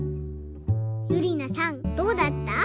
ゆりなさんどうだった？